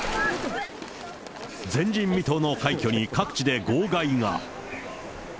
前人未到の快挙に、各地で号外が。